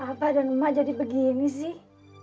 apa dan emak jadi begini sih